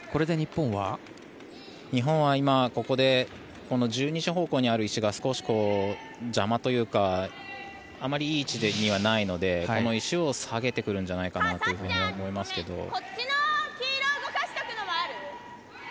日本は今ここでこの１２時方向にある石が少し邪魔というかあまりいい位置にはないのでこの石を下げてくるんじゃないかなと思いますけど。